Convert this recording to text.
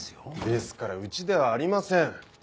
ですからうちではありません！